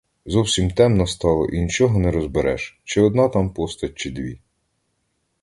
Зовсім темно стало і нічого не розбереш, чи одна там постать, чи дві.